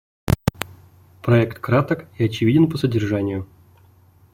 Проект краток и очевиден по содержанию.